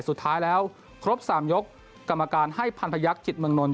สุดท้ายแล้วครบ๓ยกกรรมการให้พันพยักษิตเมืองนล